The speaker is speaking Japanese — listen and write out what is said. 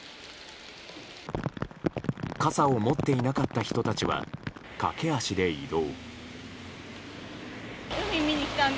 傘を持っていなかった人たちは駆け足で移動。